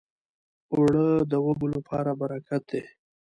اوړه د وږو لپاره برکت دی